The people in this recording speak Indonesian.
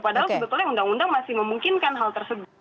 padahal sebetulnya undang undang masih memungkinkan hal tersebut